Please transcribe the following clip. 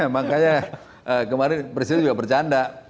makanya kemarin presiden juga bercanda